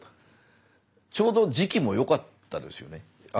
ちょうど時期もよかったですよね。